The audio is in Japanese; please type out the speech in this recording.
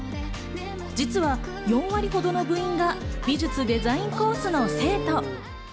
実は４割ほどの部員が美術デザインコースの生徒。